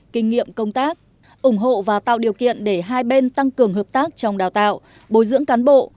kinh nghiệm công tác ủng hộ và tạo điều kiện để hai bên tăng cường hợp tác trong đào tạo bồi dưỡng cán bộ